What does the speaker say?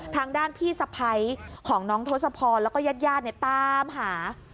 ทางด้านพี่สะพัยของน้องทศพรและยัดตามหา